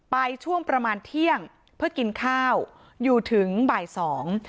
ช่วงประมาณเที่ยงเพื่อกินข้าวอยู่ถึงบ่ายสอง